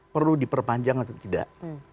perlu diperpanjang atau tidak